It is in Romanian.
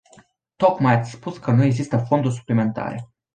Tocmai ați spus că nu există fonduri suplimentare.